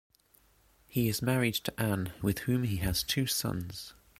He is married to Anne, with whom he has two sons.